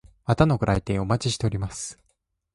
またのご来店をお待ちしております。